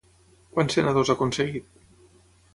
Quants senadors ha aconseguit?